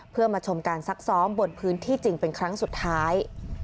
เพื่อมาชมการซักซ้อมบนพื้นที่จริงเป็นครั้งสุดท้าย